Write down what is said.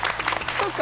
そっか！